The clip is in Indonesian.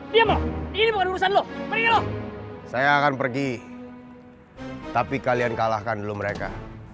hai eh dia mau ini mau urusan loh saya akan pergi tapi kalian kalahkan dulu mereka